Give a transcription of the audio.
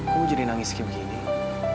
kamu jadi nangis kayak begini